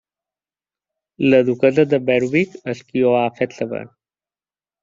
La duquessa de Berwick és qui ho ha fet saber.